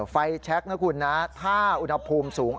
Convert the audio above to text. แช็คนะคุณนะถ้าอุณหภูมิสูง